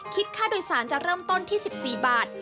ค่าโดยสารจะเริ่มต้นที่๑๔บาท